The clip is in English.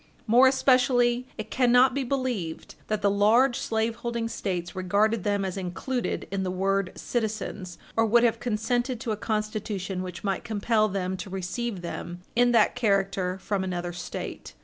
More especially, it cannot be believed that the large slaveholding States regarded them as included in the word citizens, or would have consented to a Constitution which might compel them to receive them in that character from another State.